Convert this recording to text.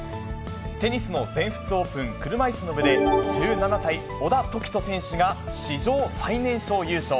テニスの全仏オープン車いすの部で、１７歳、小田凱人選手が史上最年少優勝。